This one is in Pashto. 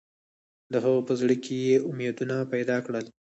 د هغه په زړه کې یې امیدونه پیدا کړل.